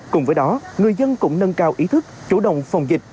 cùng với đó người dân cũng nâng cao ý thức chủ động phòng dịch